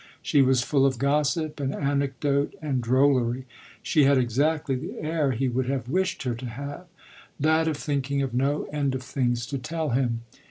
She was full of gossip and anecdote and drollery; she had exactly the air he would have wished her to have that of thinking of no end of things to tell him.